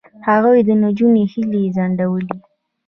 هغوی د نجونو هیلې ځنډولې.